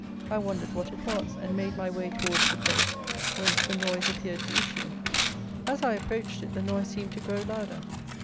I wondered what it was, and made my way towards the place whence the noise appeared to issue. As I approached it, the noise seemed to grow louder.